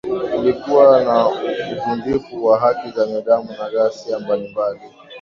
Plikuwa na uvunjifu wa haki za binadamu na ghasia mbalimbali